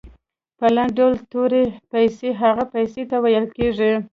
په لنډ ډول تورې پیسې هغو پیسو ته ویل کیږي.